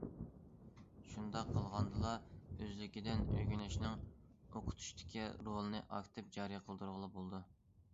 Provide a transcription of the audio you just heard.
شۇنداق قىلغاندىلا، ئۆزلۈكىدىن ئۆگىنىشنىڭ ئوقۇتۇشتىكى رولىنى ئاكتىپ جارى قىلدۇرغىلى بولىدۇ.